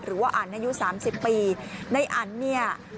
หรือว่าอันอายุ๓๐ปีในอันเนี่ย